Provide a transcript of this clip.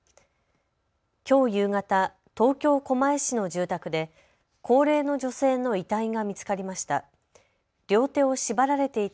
きょう夕方、東京狛江市の住宅で高齢の女性の遺体が見つかりました。